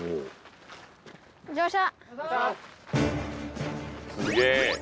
乗車！